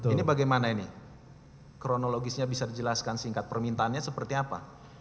ini bagaimana ini kronologisnya bisa dijelaskan singkat permintaannya seperti apa